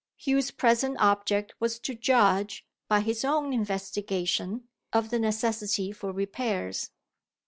Hugh's present object was to judge, by his own investigation, of the necessity for repairs.